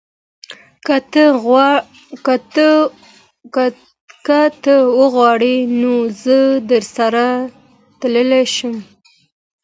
که ته وغواړې نو زه درسره تلی شم.